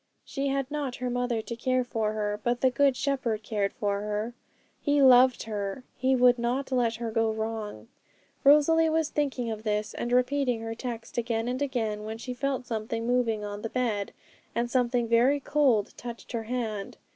She had not her mother to care for her, but the Good Shepherd cared for her; He loved her; He would not let her go wrong. Rosalie was thinking of this, and repeating her text again and again, when she felt something moving on the bed, and something very cold touched her hand.